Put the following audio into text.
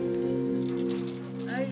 はい。